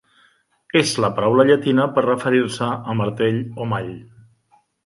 És la paraula llatina per referir-se a "martell" o "mall".